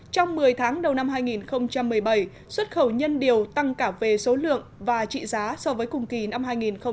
trong một mươi tháng đầu năm hai nghìn một mươi bảy xuất khẩu nhân điều tăng cả về số lượng và trị giá so với cùng kỳ năm hai nghìn một mươi bảy